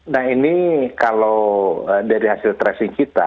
nah ini kalau dari hasil tracing kita